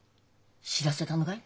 知らせたのかい？